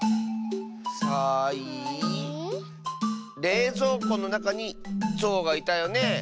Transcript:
「れいぞうこ」のなかに「ぞう」がいたよねえ。